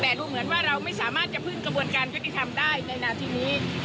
แต่ดูเหมือนว่าเราไม่สามารถจะพึ่งกระบวนการยุติธรรมได้ในนาทีนี้